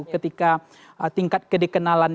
ketika tingkat kedikenalan